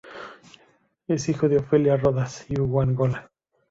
Es hijo de Ofelia Rodas y Hugo Angola.